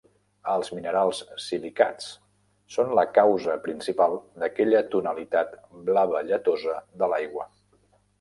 Els minerals silicats són la causa principal d'aquella tonalitat blava lletosa de l'aigua.